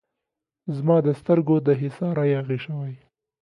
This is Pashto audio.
زما د سترګو د حصاره یاغي شوی